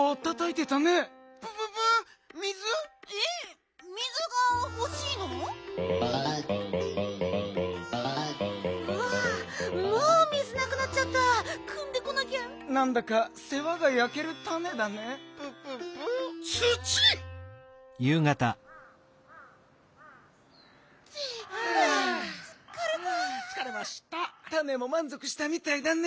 たねもまんぞくしたみたいだね。